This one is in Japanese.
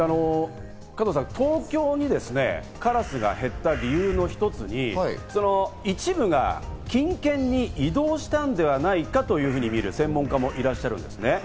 加藤さん、東京にカラスが減った理由の一つに一部が近県に移動したんではないかというふうにみる専門家もいらっしゃるんですね。